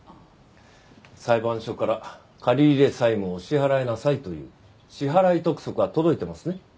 裁判所から借入債務を支払いなさいという支払督促は届いていますね？